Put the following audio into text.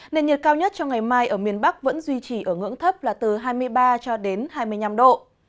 nền nhiệt cao nhất cho ngày mai ở miền bắc vẫn duy trì ở ngưỡng thấp là từ hai mươi ba hai mươi năm độ